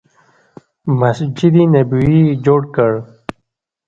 مسجد نبوي یې جوړ کړ.